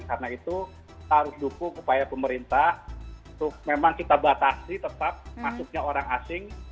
karena itu kita harus dukung upaya pemerintah untuk memang kita batasi tetap masuknya orang asing